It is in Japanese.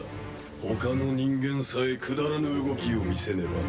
他の人間さえくだらぬ動きを見せねばな。